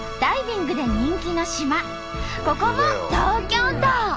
ここも東京都！